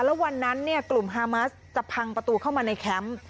แล้ววันนั้นกลุ่มฮามัสจะพังประตูเข้ามาในแคมป์